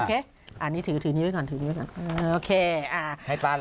เอ่ออันนี้นี่ถือนี้ไว้ก่อน